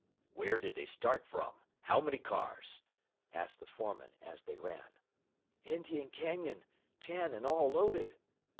"Where did they start from? How many cars?" asked the foreman as they ran. "Indian Canyon. Ten, and all loaded."